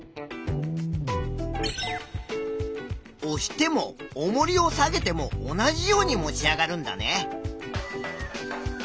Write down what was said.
おしてもおもりを下げても同じように持ち上がるんだね。